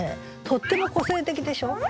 とっても個性的でしょ。